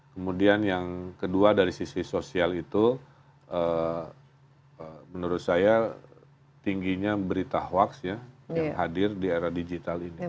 kemudian yang kedua dari sisi sosial itu menurut saya tingginya berita hoaks ya yang hadir di era digital ini